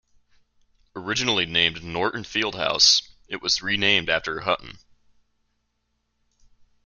Originally named Norton Field House, it was renamed after Hutton.